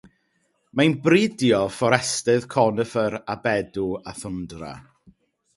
Mae'n bridio fforestydd coniffer a bedw a thwndra.